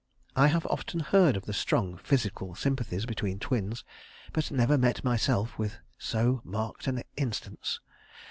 I have often heard of the strong physical sympathies between twins, but never met myself with so marked an instance.